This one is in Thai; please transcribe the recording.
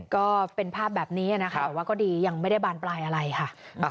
ก็เป็นภาพแบบนี้นะคะแต่ว่าก็ดียังไม่ได้บานปลายอะไรค่ะ